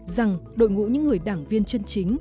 rằng đội ngũ những người đảng viên chân chính